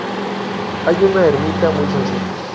Hay una ermita muy sencilla.